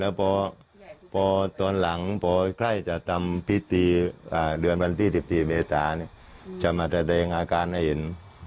วันที่๑๔เบรษาจะมาแสดงอาการเอน